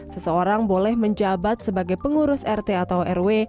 seseorang boleh menjabat sebagai pengurus rt atau rw